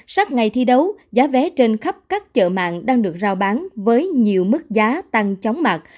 sát ngày thi đấu giá vé trên khắp các chợ mạng đang được giao bán với nhiều mức giá tăng chóng mặt